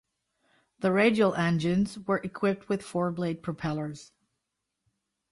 The radial engines were equipped with four-blade propellers.